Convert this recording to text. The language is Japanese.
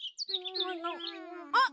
あっ！